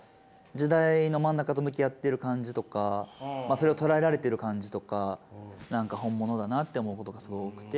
時代の真ん中と向き合ってる感じとかそれを捉えられている感じとか何か本物だなって思うことがすごい多くて。